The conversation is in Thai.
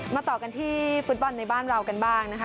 ต่อกันที่ฟุตบอลในบ้านเรากันบ้างนะคะ